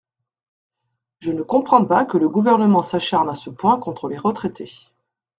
Je ne comprends pas que le Gouvernement s’acharne à ce point contre les retraités.